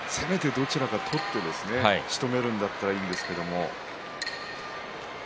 どちらかを取ってしとめるんだったらいいんです